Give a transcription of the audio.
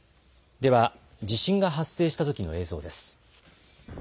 では、地震が発生したときの映像です。